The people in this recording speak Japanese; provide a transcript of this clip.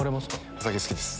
お酒好きです。